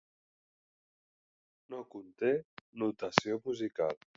No conté notació musical.